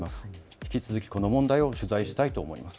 引き続きこの問題、取材したいと思います。